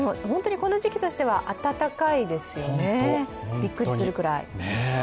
この時期としては暖かいですよね、びっくりするくらい。